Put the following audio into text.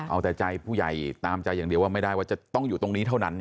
เอาแต่ใจผู้ใหญ่ตามใจอย่างเดียวว่าไม่ได้ว่าจะต้องอยู่ตรงนี้เท่านั้น